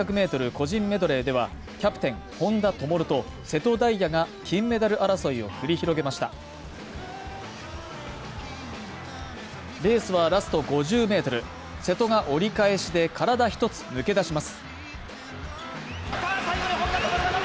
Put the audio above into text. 個人メドレーではキャプテン本多灯と瀬戸大也が金メダル争いを繰り広げましたレースはラスト５０ｍ瀬戸が折り返しで体一つ抜け出します